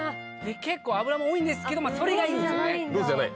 結構脂も多いんですけどそれがいいんですよね